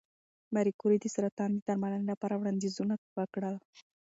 ماري کوري د سرطان د درملنې لپاره وړاندیزونه وکړل.